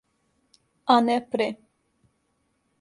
А не пре.